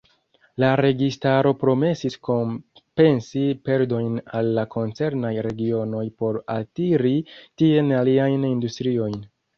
La registaro promesis kompensi perdojn al la koncernaj regionoj por altiri tien aliajn industriojn.